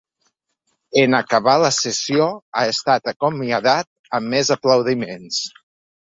En acabar la sessió ha estat acomiadat amb més aplaudiments.